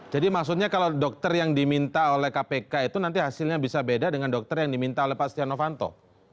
jadi maksudnya kalau dokter yang diminta oleh kpk itu nanti hasilnya bisa beda dengan dokter yang diminta oleh pak setianowanto